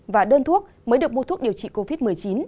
và đơn thuốc mới được mua thuốc điều trị covid một mươi chín